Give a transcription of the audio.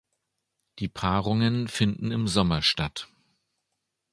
Die Paarungen finden im Sommer statt.